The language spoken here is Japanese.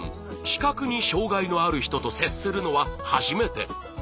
視覚に障害のある人と接するのは初めて。